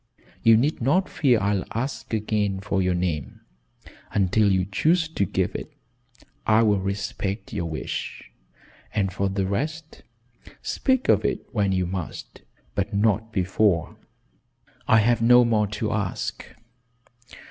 You need not fear I'll ask again for your name. Until you choose to give it I will respect your wish, and for the rest speak of it when you must but not before. I have no more to ask.